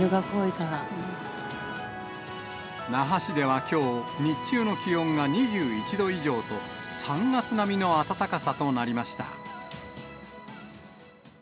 那覇市ではきょう、日中の気温が２１度以上と、３月並みの暖かさとなりました。